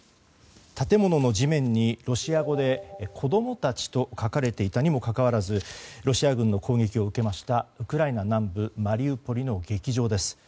建物の地面にロシア語で「子供たち」と書かれていたにもかかわらずロシア軍の攻撃を受けましたウクライナ南部マリウポリの劇場です。